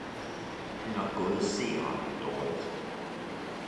Det er nok gået 'seeren' dårligt!